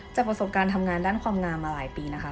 ประสบการณ์ทำงานด้านความงามมาหลายปีนะคะ